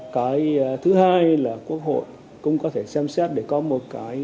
cái thứ hai là quốc hội cũng có thể xem xét để có một cái